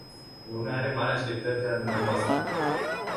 Lumea are mari așteptări de la dumneavoastră.